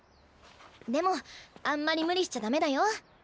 でもあんまり無理しちゃダメだよ。